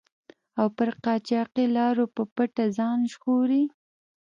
او پر قاچاقي لارو په پټه ځان ژغوري.